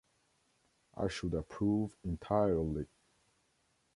I should approve entirely.